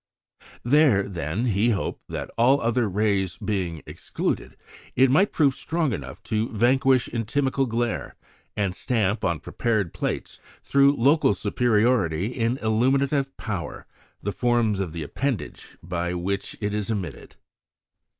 There, then, he hoped that, all other rays being excluded, it might prove strong enough to vanquish inimical glare, and stamp on prepared plates, through local superiority in illuminative power, the forms of the appendage by which it is emitted.